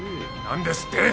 なんですって？